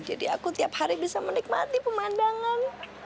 jadi aku tiap hari bisa menikmati pemandangan